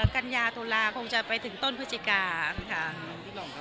กัญญาตุลากลมจะไปถึงต้นพฤจิการ